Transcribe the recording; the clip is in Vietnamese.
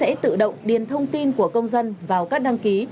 hệ thống sẽ tự động điền thông tin của công dân vào các đăng ký